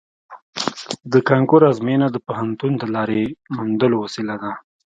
د کانکور ازموینه د پوهنتون د لارې موندلو وسیله ده